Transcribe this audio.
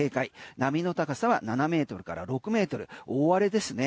波の高さは７ｍから６ｍ大荒れですね。